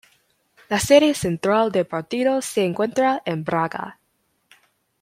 La sede central del partido se encuentra en Praga.